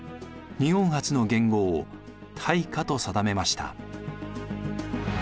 日本初の元号を「大化」と定めました。